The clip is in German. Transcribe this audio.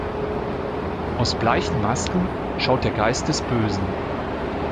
Aus bleichen Masken schaut der Geist des Bösen.